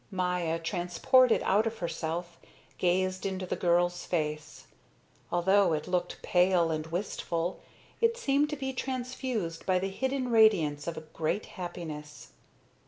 Maya, transported out of herself, gazed into the girl's face. Although it looked pale and wistful, it seemed to be transfused by the hidden radiance of a great happiness.